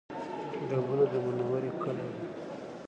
ډبونه د منورې کلی دی